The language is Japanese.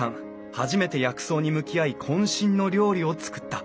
初めて薬草に向き合いこん身の料理を作った。